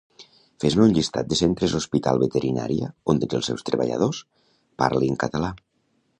Fes-me un llistat de Centres Hospital Veterinària on tots els seus treballadors parlin català